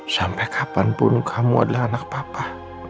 sampai kapanpun kamu adalah anak papa